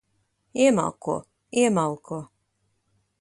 Iemalko. Iemalko.